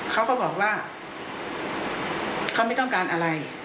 เขาก็บอกว่าเขาไม่ต้องการอะไร